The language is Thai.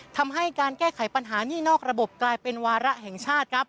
ทำให้การแก้ไขปัญหานี่นอกระบบกลายเป็นวาระแห่งชาติครับ